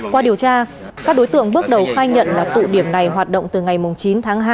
qua điều tra các đối tượng bước đầu khai nhận là tụ điểm này hoạt động từ ngày chín tháng hai